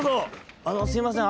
「あのすみません